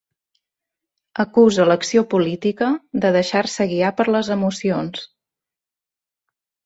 Acusa l'acció política de deixar-se guiar per les emocions.